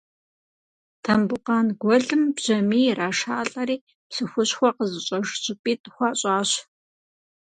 Тамбукъан гуэлым бжьамий ирашалӏэри псы хущхъуэ къызыщӏэж щӏыпӏитӏ хуащӏащ.